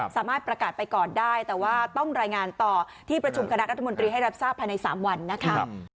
สามารถประกาศไปก่อนได้แต่ว่าต้องรายงานต่อที่ประชุมคณะรัฐมนตรีให้รับทราบภายใน๓วันนะคะ